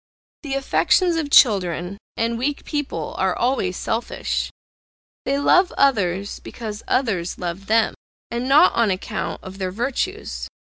The affections of children, and weak people, are always selfish; they love others, because others love them, and not on account of their virtues.